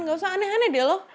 gak usah aneh aneh deh lo